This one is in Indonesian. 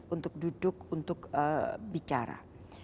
untuk duduk untuk bicara